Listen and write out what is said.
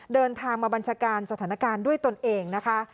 เดินทางมาบัญชาการสถานการณ์ด้วยตนเองนะคะ